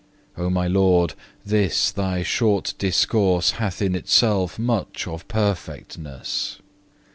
4. O my Lord, this Thy short discourse hath in itself much of perfectness.